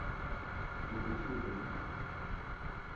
Le petit est amusant.